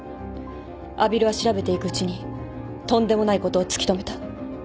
阿比留は調べていくうちにとんでもないことを突き止めた。